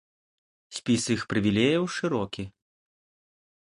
Спіс іх прывілеяў шырокі.